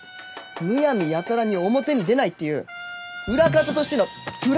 むやみやたらに表に出ないっていう裏方としてのプライドがあるんで！